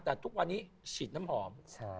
แต่ทุกวันนี้ฉีดน้ำหอม